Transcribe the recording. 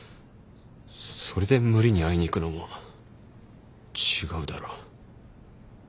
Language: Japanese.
それで無理に会いに行くのも違うだろ。